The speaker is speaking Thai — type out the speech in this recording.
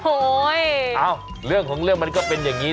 โอ้โหเรื่องของเรื่องมันก็เป็นอย่างนี้